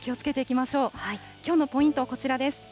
きょうのポイント、こちらです。